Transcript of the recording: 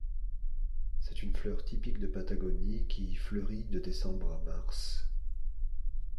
C'est une fleur typique de Patagonie qui y fleurit de décembre à mars.